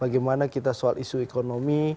bagaimana kita soal isu ekonomi